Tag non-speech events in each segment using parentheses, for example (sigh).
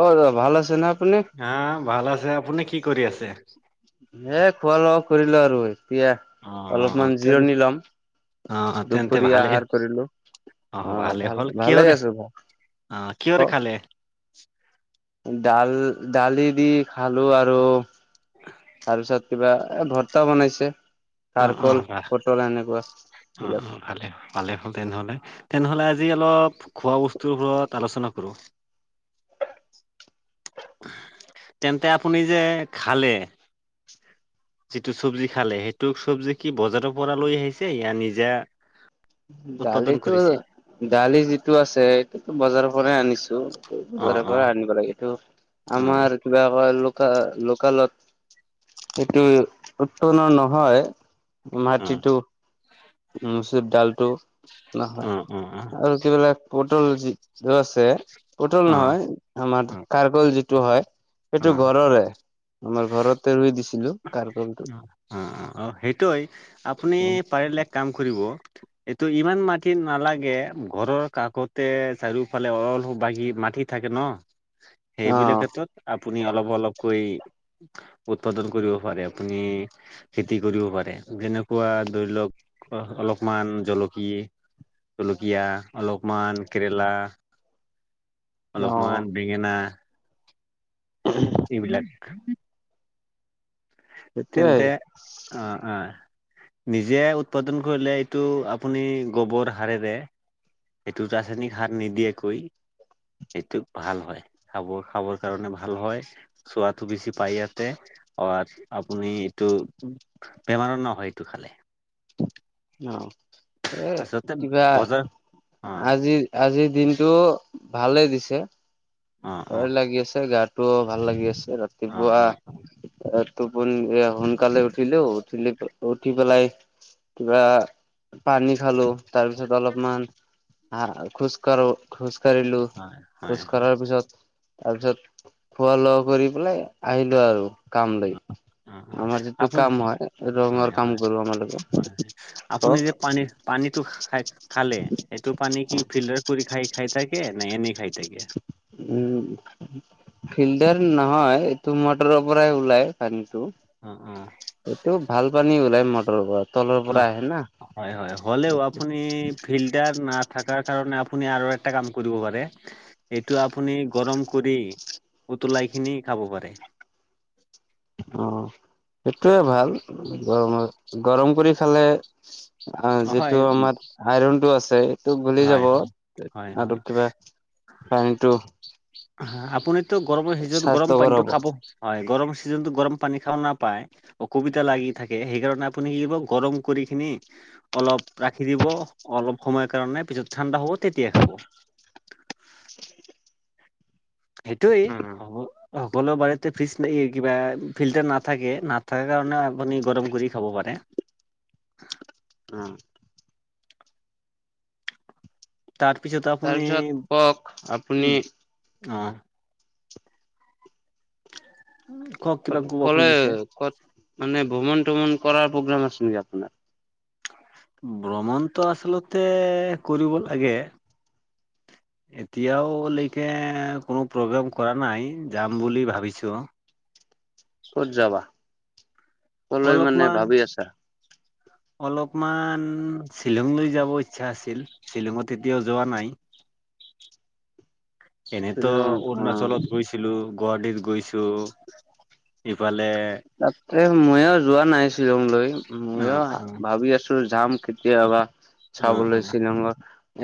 অ' দাদা ভাল আছে নে আপুনি। হা, ভাল আছে আপুনি কি কৰি আছে। এ, খোৱা লগোৱা কৰিলো আৰু এতিয়া অ অলপমান তেন জিৰণি লম। অ তেন্তে দুপৰীয়া ভালেই আহাৰ কৰিলোঁ। অ' ভালে ভাল হ'ল ভালেই কিহৰে আছো মই অ কিহৰে ক, খালে ডাল, দালি দি খালো আৰু, তাৰপিছত কিবা এ ভৰ্তা বনাইছে অ অ চাৰকল বাহ পটল এনেকুৱা, অ এইবিলাক। অ ভালে ভালে হল তেনেহলে তেনেহলে আজি অলপ খোৱা বস্তুবোৰৰ ওপৰত আলোচনা কৰোঁ। তেন্তে আপুনি যে খালে। যিটো চব্জি খালে সেইটো চব্জি কি বজাৰৰ পৰা লৈ আহিছে ইয়া নিজা, উৎপাদন দালিতো কৰিছে দালি যিটো আছে সেইটোতো বজাৰৰ পৰাই আনিছোঁ। অ বজাৰ অ পৰা আনিব লাগে এইটো অ আমাৰ কিবা লোক লোকেলত। এইটো উৎপন্ন নহয়। অ মাটিটো, মচুৰ ডালটো অ অ নহয় অ আৰু, যিবিলাক পটল যি আছে পটল অ নহয়, ‌ আমাৰ কাৰগল যিটো হয় অ অ সেইটো ঘৰৰে। আমাৰ ঘৰতে ৰুই দিছিলো। কাৰ কলটো। অ অ সেইটোৱে আপুনি পাৰিলে এক কাম কৰিব। এইটো ইমান মাটিত নালাগে ঘৰৰ কাষতে চাৰিওফালে অল বাগী মাটিত। থাকে ন, সেইবিলাক অ ক্ষেত্ৰত। আপুনি অলপ অলপকৈ উৎপাদন কৰিব পাৰে। আপুনি, খেতি কৰিব পাৰে। যেনেকুৱা ধৰি লওক অলপমান জলকিয়ে। জলকীয়া, অলপমান কেৰেলা অ অলপমান বেঙেনা, হয় (unintelligible) এইবিলাক। সেইটোয়ে তেন্তে অ' অ'। নিজে উৎপাদন কৰিলে এইটো আপুনি গোবৰ সাৰেৰে, এইটোত আছে নেকি খাৰ নিদিয়া কৈ। এইটো ভাল হয়। খাব খাবৰ কাৰণে ভাল হয়। চোৱাতো বেছি পায় ইয়াতে। অ' আপুনি এইটো বেমাৰৰ নহয় এইটো খালে। অ' এ আচলতে কিবা বজাৰ অ আজি। আজিৰ দিনটো ভালে দিছে। অ অ ভাল লাগি আছে গাটো ভাল লাগি আছে অ ৰাতিপুৱা, অ এ, টোপনি সোনকালে উঠিলোঁ। উঠিলে উঠি পেলাই, কিবা পানী খালো তাৰপিছত অলপমান, আহ' খোজ কাঢ়ো খোজ কাঢ়িলো হয় হয় খোজ হয় কঢ়াৰ পিছত, তাৰপিছত খোৱা লগ কৰি পেলাই আহিলো আৰু কাম লৈ। অ অ আমাৰ যিটো আপুনি কাম হয় হয় ৰঙৰ কাম হয় কৰোঁ আমাৰালোকে হয় আপুনি যে কওক। পানী পানীটো খা খালে সেইটো পানী কি ফিল্টাৰ কৰি খাই খাই থাকে নাই এনেই খাই থাকে। উম। ফিল্টাৰ নহয় এইটো মটৰৰ পৰাই ওলাই পানীটো। অ অ। এইটো ভাল পানী ওলাই মটৰওৰত। অ হয় হয় হ'লেও আপুনি ফিল্টাৰ না। থকাৰ কাৰণে আপুনি আৰু এটা কাম কৰিব পাৰে। এইটো আপুনি গৰম কৰি উতলাই খিনি খাব পাৰে। অঁ, সেইটয়ে ভাল গৰমত গৰম কৰি খালে। অঁ, হয় যিটো আমাৰ আইৰনতটো আছে। টো গুলি হয় যাব হয় হয় আৰু কিবা পানীটো। হ আপুনিতো গৰমৰ সিজন গৰম স্বাস্থ্যকৰ পানীটো হ'ব খাব। হয় গৰম চিজনো গৰম পানী খাওঁ নাপায়। অসুবিতা লাগি থাকে সেইকাৰণে আপুনি কি গৰম কৰি খিনি। অলপ ৰাখি দিব অলপ সময়ৰ কাৰণে পিছত ঠাণ্ডা হ'ব তেতিয়াই খাব। সেইটোৱেই উম হব। সকলো বাৰীতে ফ্ৰিজ কিবা ফিল্টাৰ নাথাকে নাথাককাৰ কাৰণেও আপুনি গৰম কৰি খাব পাৰে। অ। তাৰপিছত আপুনি তাৰপিছত কওক আপুনি উ অ। অ। ক'লে ক'ত মানে ভ্ৰমণ তমন কৰ প্ৰগ্ৰাম আছে নেকি আপোনাৰ। ভ্ৰমণটো আচলতে কৰিব লাগে। এতিয়ালৈকে কোনো প্ৰগ্ৰেম কৰা নাই যাম বুলি ভাবিছোঁ। ক'ত যাবা, কলৈ মানে অলপমান ভাবি আছা? অলপমান শ্বিলং লৈ যাব ইচ্ছা আছিল। শ্বিলঙত কেতিয়াও যোৱা নাই। এনেতো শ্বিলং অ অৰুণাচলত গৈছ ছিলো গুৱাহাটীত গৈছো, ইফালে তাতে মইয়ো যোৱা নাই শ্বিলংলৈ, অ মইয়ো ভাবি আছো যাম। কেতিয়াবা অ অ অ চাবলৈ চিনেমা,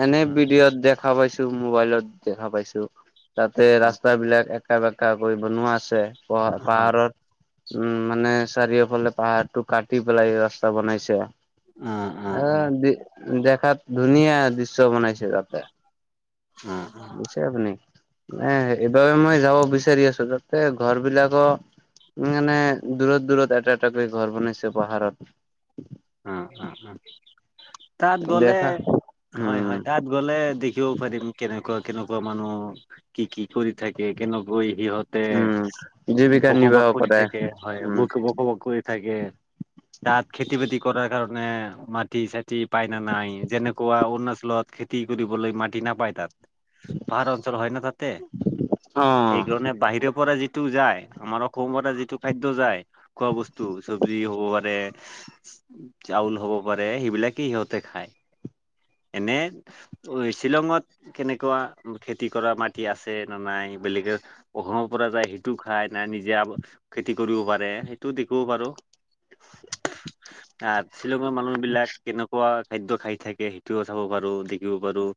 এনে অ ভিডিঅ'ত দেখ দেখা পাইছো, মোবাইলত দেখা পাইছো তাতে ৰাস্তা বিলাক একা বেঁকা কে কৈ বনোৱা আছে, প অ হয় পাহাৰত উম মানে চাৰিওফালে পাহাৰটো কাটি পেলাই ৰাস্তা বনাইছে। অঁ অঁ অ দেখাত ধুনীয়া দৃশ্য বনাইছে তাতে। অঁ গৈছে আপুনি, এ এইবাবে মই যাব বিচাৰি আছো যাতে ঘৰ বিলাকৰ উম এনে দূৰত দূৰত এটা এটাকৈ ঘৰ বনাইছে পাহাৰত। অঁ অঁ অঁ, তাত গ'লে দেখা হয় উম হয় তাত। গ'লে দেখিবও পাৰিম কেনেকুৱা কেনেকুৱা মানুহ। কি কি কৰি থাকে, কেনেকৈ সিহঁত তে উম জীৱিকা বসবাস নিৰ্বাহ কৰি কৰে থাকে হয়, উম বসবাস বসবাস কৰি থাকে। তাত খেতি বাতি কৰাৰ কাৰণে মাটি চাই টি পায় না নাই যেনেকুৱা অৰুণাচলত খেতি কৰিবলৈ মাটি নাপায় তাত। পাহাৰ অঞ্চল হয় ন তাতে, অ সেইকাৰণে বাহিৰত পৰা যিটো যায়, আমাৰ অসমৰ পৰা যিটো খাদ্য যায়। খোৱা বস্তু চব্জি হ'ব পাৰে। চাউল হ'ব পাৰে, সেইবিলাকেই সিহঁতে খায়। এনে শ্বিলঙত কেনেকুৱা খেতি কৰা মাটি আছে নে নাই বেলেগেত অসমৰ পৰা যাই সেইটো খাই নাই নিজে খেতি কৰিব পাৰে সেইটো দেখব পাৰো। আ শ্বিলঙৰ মানুহ বিলাক কেনেকুৱা খাদ্য খাই থাকে সেইটোৱো চাব পাৰোঁ, দেখিব পাৰোঁ।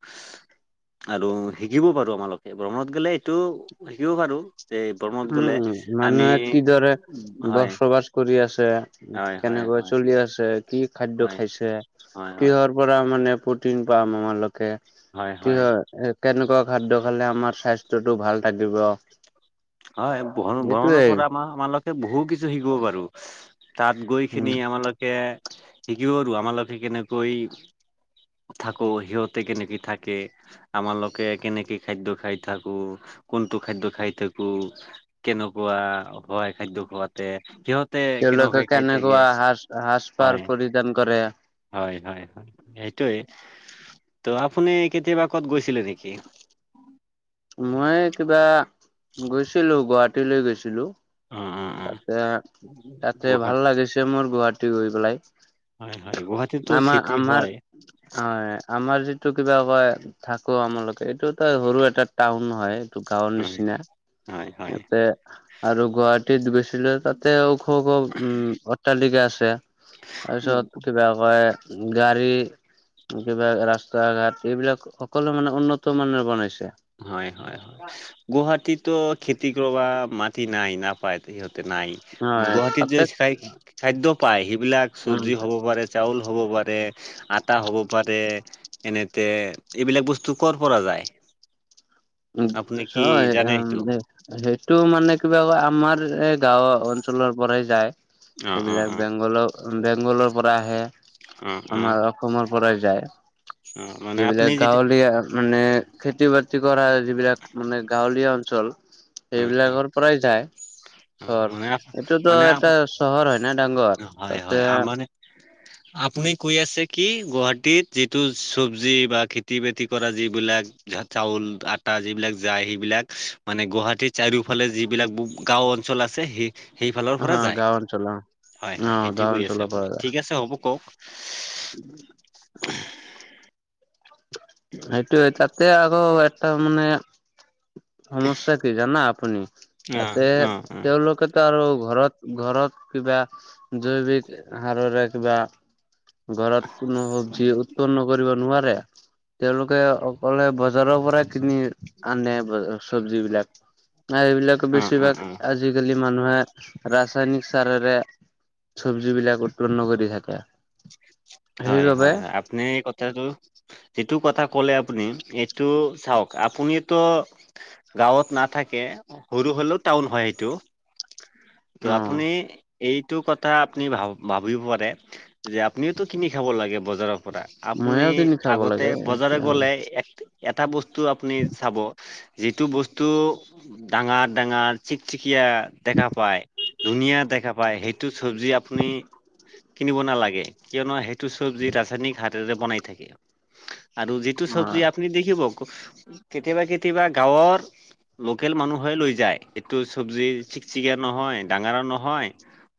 আৰু শিকিবও পাৰোঁ আমালোকে ভ্ৰমণত গ'লে এইটোৱো শিকিব পাৰোঁ। উম মানুহে কিদৰে হয় বচবাচ কৰি আছে হয় হয় কেনেকৈ হয় চলি আছে, কি খাদ্য হয় খাইছে হয় হয় কিহৰ পৰা মানে প্ৰটিন পাম আমালোকে, কি হয় এ কেনেকুৱা খাদ্য খালে আমাৰ স্বাস্থ্য টো ভাল থাকিব। হয় ভ্ৰমণৰ এইটোৱেই পৰা আমাৰ আমালোকে বহুত কিছু শিকিব পাৰোঁ। তাত গৈ উম কিনি আমালোকে শিকিব পাৰোঁ আমালোকে কেনেকৈ থাকো সিহঁতে কেনেকে থাকে? আমাৰলোকে কেনে কি খাদ্য খাই থাকোঁ কোনটো খাদ্য খাই থাকোঁ। টো কেনেকুৱা হয় খাদ্য খোৱাতে সিহঁতে তেওঁলোকে কেনেকৈ খাই থাকে, কেনেকুৱা সাজ সাজ-পাৰ হয় পৰিধান কৰে। হয় হয় হয়, সেইটোৱে ত আপুনি কেতিয়াবা ক'ত গৈছিলে নেকি? মই কিবা গৈছিলো গুৱাহাটীলৈ গৈছিলোঁ। অ অ অ তাতে তাতে গুৱাহাটী ভাল লাগিছে মোৰ গুৱাহাটী গৈ পেলাই। হয় হয় গুৱাহাটীতো আমাৰ চিটি আমাৰ হয়। হয় আমাৰ যিটো কিবা কয় থাকোঁ আমালোকে এইটো তই সৰু এটা টাউন নহয় এইটো গাঁৱৰ নিচিনা হয় হয় ইয়াতে আৰু গুৱাহাটীত গৈছিলোঁ তাতে ওখ ওখ উম অট্টালিকা আছে। হয় তাৰপিছত কিবা কয় গাড়ী কিবা ৰাস্তা ঘাট এইবিলাক সকলো মানে উন্নত মানৰে বনাইছে। হয় হয় হয় গুৱাহাটীতো খেতি কৰবা মাতি টি নাই নাপায় সিহঁতে নাই। হয় গুৱাহাটীত যে তাতে খাই খাদ্য পায় সেইবিলাক উম চব্জি হ'ব পাৰে চাউল হ'ব পাৰে, আটা হ'ব পাৰে এনেতে এইবিলাক বস্তু কৰ পৰা যায়? আপুনি কি জানে সেইটো? (unintelligible) সেইটো মানে কিবা কয় আমাৰ এই গাঁও অঞ্চলৰ পৰাই যায়। অ', অ', এইবিলাক অ', বেংগলৰ বেংগলৰ পৰা আহে। অ', অ', আমাৰ অসমৰ পৰা যায় অ', মানে আপুনি যিবিলাক যেতিয়া গাঁৱলীয়া মানে খেতি বাতি কৰা যিবিলাক মানে গাঁৱলীয়া অঞ্চল অ', অ', সেইবিলাকৰ পৰাই যায়। অ', চহৰ, মানে আপ- এইটোতো মানে এটা আপ- চহৰ হয় না ডাঙৰ হয়, তাতে হয় (inaudible) আপুনি কৈ আছে কি গুৱাহাটীত যিটো চবজি বা খেতি-বাতি কৰা যিবিলাক চাউল, আটা যিবিলাক যায় সেইবিলাক মানে গুৱাহাটী ত চাৰিওফালে যিবিলাক গাওঁ অঞ্চল আছে সেই সেইফালৰ অ পৰা যায় গাওঁ অঞ্চলত অ হয় অ হয় সেইটো গাঁও কৈ আছে অঞ্চলৰ আপুনি, পৰা যায় ঠিক আছে হ'ব কওক। সেইটোৱে তাতে আকৌ এটা মানে সমস্যা কি জানা আপুনি? অ তাতে অ অ তেওঁলোকে আৰু ঘৰত ঘৰত কিবা জৈৱিক সাৰৰে কিবা ঘৰত কোনো সব্জি উৎপন্ন কৰিব নোৱাৰে। তেওঁলোকে অকলে বজাৰৰ পৰাই কিনি আনে চব্জি বিলাক। নাই এইবিলাক অ অ বেছিভাগ অ আজি কালি মানুহে ৰাসায়নিক সাৰৰে চব্জি বিলাক উৎপন্ন কৰি থাকে। হয় সেইবাবে হয় হয় আপুনি এই কথাটো যিটো কথা ক'লে আপুনি এইটো চাওক, আপুনিতো গাঁৱত নাথাকে সৰু হ'লেও টাউন হয় সেইটো ত' অ' আপুনি এইটো কথা আপুনি ভাব-ভাবিব পাৰে যে আপুনিটো কিনি খাব লাগে বজাৰৰ পৰা, আপুনি ময়ো কিনি খাব আগতে লাগে। বজাৰে অ' গ'লে এক এটা বস্তু আপুনি চাব যিটো বস্তু ডাঙাৰ ডাঙাৰ চিকচিকা দেখা পায়, ধুনীয়া দেখা পায়, সেইটো চবজি আপুনি কিনিব নালাগে। কিয়নো সেইটো চব্জি ৰাসায়নিক সাৰেৰে বনাই থাকে। আৰু যিটো চব্জি আপুনি দেখিব কেতিয়াবা কেতিয়াবা গাঁৱৰ লোকেল মানুহে লৈ যায়, এইটো চব্জি চিকচিকীয়া নহয়, ডাঙৰ নহয়,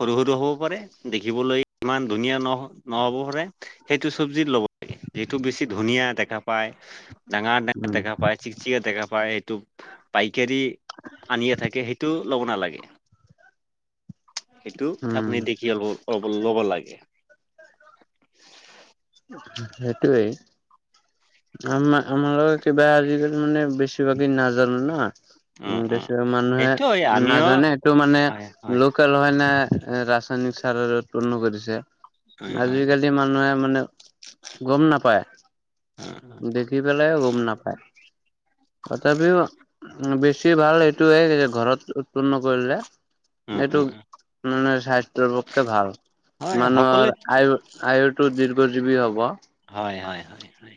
সৰু সৰু হ'ব পাৰে, দেখিবলৈ ইমান ধুনীয়া নহ নহ'ব পাৰে, সেইটো চব্জিত ল'ব লাগে। যিটো বেছি ধুনীয়া দেখা পায়, ডাঙৰ ডঙাৰ উম, দেখা পায়, চিকচিক দেখা পায় এইটো পাইকাৰী আনিয়ে থাকে সেইটো ল'ব নালাগে। সেইটো উম, আপুনি দেখি অ ল'ব লাগে। (inaudible) সেইটোৱেই আম আমাৰ লগত কিবা আজিকালি মানে বেছিভাগেই নাজানো ন। উম উ উম বেছি ভাগ মানুহে সেইটোৱে আমিও নাজানে এইটো মানে হয় হয় লোকেল হয় নে ৰাস উৎপন্ন কৰিছে হয় হয় আজিকালি মানুহে মানে গম নাপায় উম দেখি পেলাই গম নাপায় তথাপিও বেছি ভাল এইটোয়ে যে ঘৰত উৎপন্ন কৰিলে। উম এইটো উম মানে স্বাস্থ্যৰ পক্ষে ভাল হয় সকলোৱে মানুহৰ আয় আয়ুৰ টো দীৰ্ঘ জীৱী হ'ব হয় হয় হয় হয়,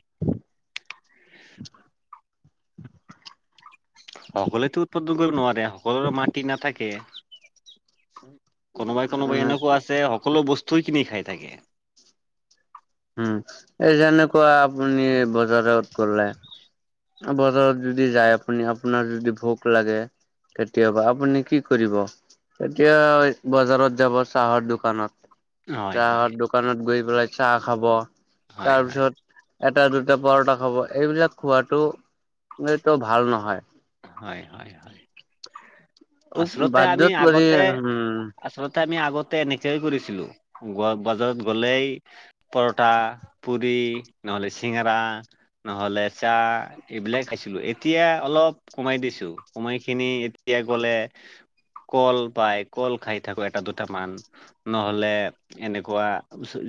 সকলোৱতো উৎপাদন কৰিব নোৱাৰে সকলোৰে মাটি নাথাকে কোনোবাই কোনোবাই এনেকুৱা আছে সকলো বস্তুই কিনি খাই থাকে। উম এই যেনেকুৱা আপুনি বজাৰত গলে বজাৰত যদি যায় আপুনি আপোনাৰ যদি ভোক লাগে। কেতিয়াবা আপুনি কি কৰিব। তেতিয়া বজাৰত যাব চাহৰ দোকানত হয় হয় চাহৰ দোকানত গৈ পেলাই চাহ খাব হয় হয় তাৰপিছত এটা দুটা পৰটা খাব এইবিলাক খোৱাটো এইটো ভাল নহয়। হয় হয় হয় আচলতে আমি বাধ্যত পৰি আগতে উম আচলতে আমি আগতে এনেকয়ে কৰিছিলো বজাৰত গলেই পৰঠা পুৰি নহ'লে চিঙৰা নহ'লে চাহ এইবিলাক খাইছিলো এতিয়া অলপ কমাই দিছো কমাই খিনি এতিয়া গ'লে কল পায় কল খাই থাকো এটা দুটা মান নহলে এনেকুৱা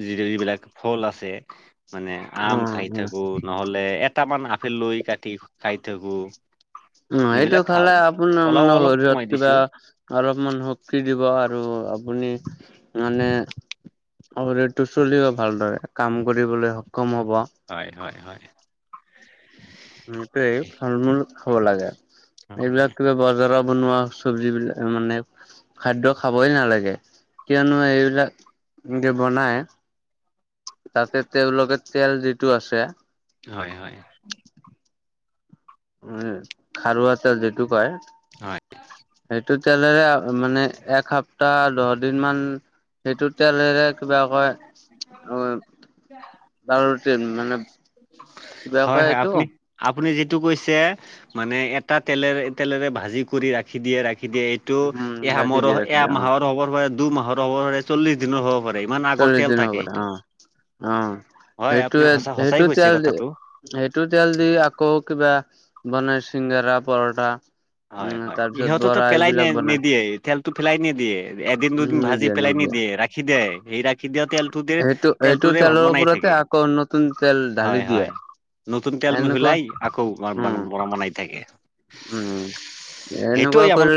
যি যিবিলাক ফল আছে। মানে আম উম খাই উম থাকো নহ'লে এটামান আপেল লৈ কাটি খাই থাকো। উ এইটো এইবিলাক খালে খাওঁ আপোনাৰ অলপ মানে অলপ কমাই শৰীৰিত দিছো কিবা অলপমান শক্তি দিব আৰু আপুনি মানে শৰীৰটো চলিব ভালদৰে কাম কৰিবলৈ সক্ষম হব। হয় হয় হয়, সিটোৱেই ফল-মূল মূল খাব লাগে হয় হয় এইবিলাক কিবা বজাৰৰ বনোৱা চব্জিবিলাক মানে খাদ্য খাবই নালাগে কিয়নো এইবিলাক যে বনাই তাতে তেওঁলোকে তেল যিটো আছে। হয় হয়, উ খাৰুৱা তেল যিটো কয় হয় সেইটোত তেলেৰে মানে এসপ্তাহ দহদিনমান সেইটো তেলেৰে কিবা কয়। অ বাৰু মানে কিবা হয় কয় হয় আপুনি এইটো আপুনি যিটো কৈছে। মানে এটা তেলেৰে তেলেৰে ভাজি কৰি ৰাখি দিয়ে ৰাখি দিয়ে এই এইটো উম এয়া ৰাখি মোৰো দিয়ে ৰাখি এয়া দিয়ে অ মাহৰ হব পাৰে দুমাহৰ হ'ব পাৰে চল্লিশ দিনৰ হ'ব পাৰে। ইমান আগৰ চল্লিশ তেল দিন থাকে হ'ব দে সেইটো। অ অ সঁচা সেইটোৱে সঁচাই সেইটোৱে কৈছে তেল কথাটো সেইটো তেল দি আকৌ কিবা বনাই চিংঙৰা, পৰঠা। (unintelligible) উম হয়-হয়। তাৰ পিছত ইহঁতেতো বৰা পেলাই এইবিলাক বনাই নিদিয়ে, তেলটো পেলাই নিদিয়ে, এদিন উম দুদিন ভাজি নিদিয়া পেলাই নিদিয়া নিদিয়ে ৰা (unintelligible) ৰাখি দিয়ে, সেই ৰা (unintelligible) ৰাখি দিয়া তেলটোতে সেইটো সেইটো তেলটোৰে (unintelligible) তেলৰ বনাই ওপৰতে থাকে। আকৌ নতুন তেল ঢালি দিয়ে হয়-হয়। নতুন তেল এনেকুৱা মিহলাই আকৌ উম (unintelligible) বনাই থাকে। উম এনেকুৱা সেইটোৱে আমাৰ কৰি (unintelligible)